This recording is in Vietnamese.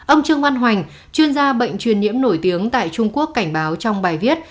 ông trương văn hoành chuyên gia bệnh truyền nhiễm nổi tiếng tại trung quốc cảnh báo trong bài viết